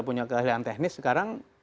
punya kehasilan teknis sekarang